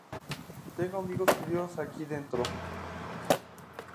Tengo amigos queridos aquí dentro.